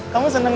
kamu seneng neng